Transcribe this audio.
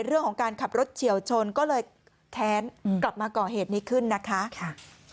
เรื่องของการขับรถเฉียวชนก็เลยแค้นกลับมาก่อเหตุนี้ขึ้นนะคะ